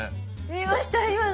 見ました今の？